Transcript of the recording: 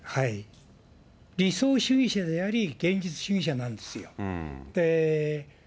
理想主義者であり、現実主義者なんですよ。